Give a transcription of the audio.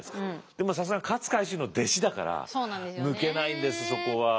でもさすがに勝海舟の弟子だから抜けないんですそこは。